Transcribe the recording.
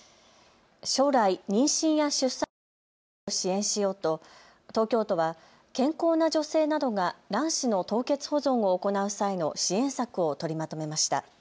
将来、妊娠や出産を望む人を支援しようと東京都は健康な女性などが卵子の凍結保存を行う際の支援策を取りまとめました。